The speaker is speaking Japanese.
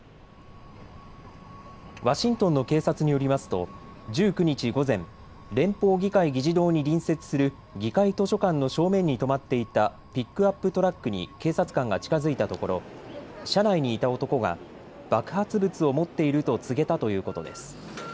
ワシントンの警察によりますと１９日午前、連邦議会議事堂に隣接する議会図書館の正面に止まっていたピックアップトラックに警察官が近づいたところ車内にいた男が爆発物を持っていると告げたということです。